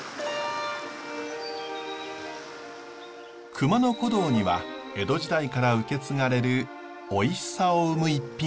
熊野古道には江戸時代から受け継がれるおいしさを生む逸品があります。